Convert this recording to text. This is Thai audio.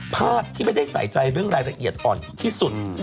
ภาพที่ไม่ได้ใส่ใจเรื่องรายละเอียดอ่อนที่สุด